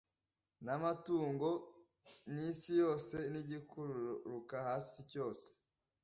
n’amatungo n’isi yose, n’igikururuka hasi cyose.